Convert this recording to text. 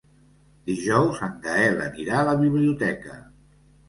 Dijous en Gaël anirà a la biblioteca.